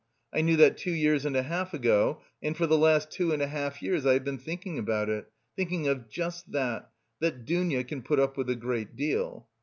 I knew that two years and a half ago, and for the last two and a half years I have been thinking about it, thinking of just that, that 'Dounia can put up with a great deal.